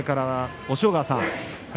押尾川さん